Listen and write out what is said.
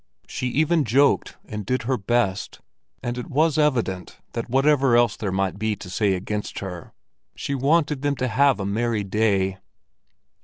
She even joked and did her best, and it was evident that whatever else there might be to say against her, she wanted them to have a merry day.